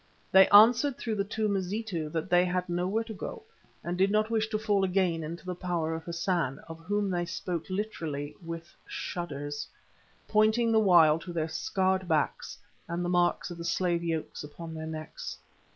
They answered through the two Mazitu that they had nowhere to go, and did not wish to fall again into the power of Hassan, of whom they spoke literally with shudders, pointing the while to their scarred backs and the marks of the slave yokes upon their necks.